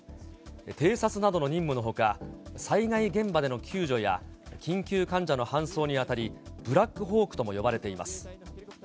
偵察などの任務のほか、災害現場での救助や、緊急患者の搬送にあたり、ブラックホークとも呼ばれています。